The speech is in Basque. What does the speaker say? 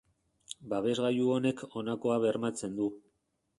Babes-gailu honek honakoa bermatzen du.